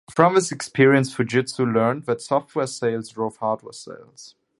From this experience, Fujitsu learned that software sales drove hardware sales.